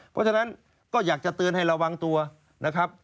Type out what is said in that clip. เพราะฉะนั้นก็อยากจะเตือนให้ระวังตัวนะครับ